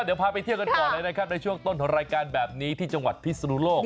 เดี๋ยวพาไปเที่ยวกันก่อนเลยนะครับในช่วงต้นของรายการแบบนี้ที่จังหวัดพิศนุโลก